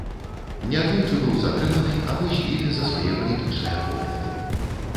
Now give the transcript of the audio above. Неаднойчы быў затрыманы або збіты за свае палітычныя погляды.